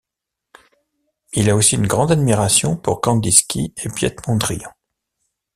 Il a aussi une grande admiration pour Kandinsky et Piet Mondrian.